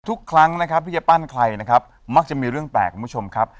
ทุกครั้งนะครับที่จะปั้นใครนะครับมักจะมีเรื่องแปลกคุณผู้ชมครับ